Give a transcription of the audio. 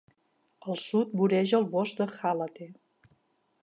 Al sud voreja el bosc de Halatte.